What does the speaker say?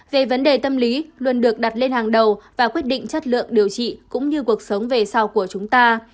về vấn đề tâm lý luôn được đặt lên hàng đầu và quyết định chất lượng điều trị cũng như cuộc sống về sau của chúng ta